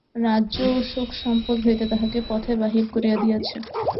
রাজ্য ও সুখসম্পদ হইতে তাঁহাকে পথে বাহির করিয়া দিয়াছে।